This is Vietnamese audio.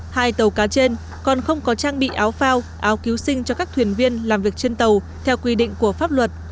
hai tàu cá trên còn không có trang bị áo phao áo cứu sinh cho các thuyền viên làm việc trên tàu theo quy định của pháp luật